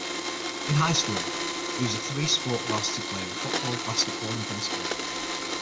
In high school, he was a three-sport varsity player in football, basketball, and baseball.